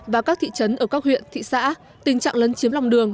và các thị trấn ở các huyện thị xã tình trạng lấn chiếm lòng đường